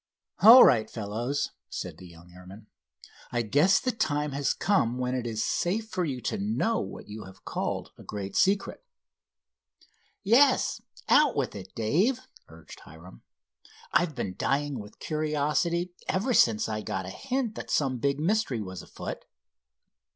"All right, fellows," said the young airman, "I guess the time has come when it is safe for you to know what you have called a great secret." "Yes, out with it, Dave," urged Hiram, "I've been dying with curiosity ever since I got a hint that some big mystery was afoot."